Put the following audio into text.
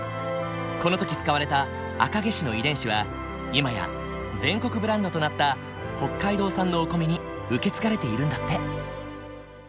この時使われた赤毛種の遺伝子は今や全国ブランドとなった北海道産のお米に受け継がれているんだって。